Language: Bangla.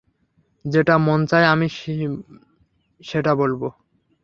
যেটা মন চায় আমি বলবো।